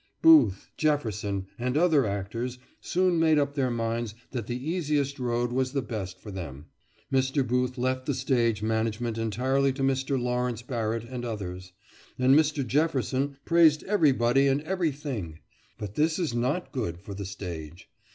Booth, Jefferson, and other actors soon made up their minds that the easiest road was the best for them. Mr. Booth left the stage management entirely to Mr. Lawrence Barrett and others, and Mr. Jefferson praised everybody and every thing. But this is not good for the stage.